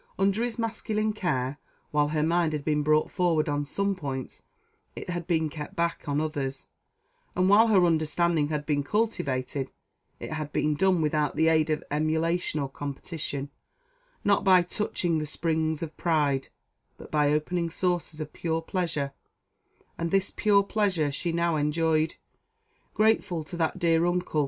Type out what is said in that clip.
Under his masculine care, while her mind had been brought forward on some points, it had been kept back on others, and while her understanding had been cultivated, it had been done without the aid of emulation or competition; not by touching the springs of pride, but by opening sources of pure pleasure; and this pure pleasure she now enjoyed, grateful to that dear uncle.